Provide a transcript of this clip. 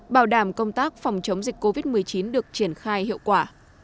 bảo đảm công tác phòng chống dịch covid một mươi chín được triển khai hiệu quả